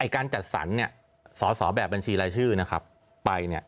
การจัดสรรสอบแบบบัญชีรายชื่อไป